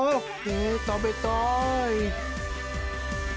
え食べたい。